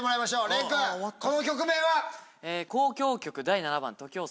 廉君この曲名は？